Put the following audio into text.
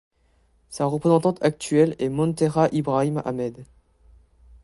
Sa représentante actuelle est Munteha Ibrahim Ahmed.